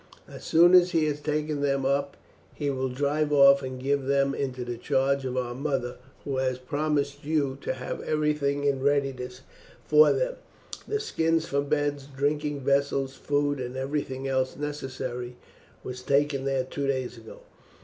As soon as he has taken them up he will drive off and give them into the charge of our mother, who has promised you to have everything in readiness for them; the skins for beds, drinking vessels, food, and everything else necessary was taken there two days ago.